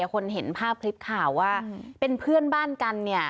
คนเห็นภาพคลิปข่าวว่าเป็นเพื่อนบ้านกันเนี่ย